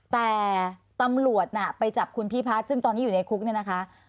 แต่ตำรวจน่ะไปจับคุณพิพัฒน์ซึ่งตอนนี้อยู่ในคุกเนี่ยนะคะ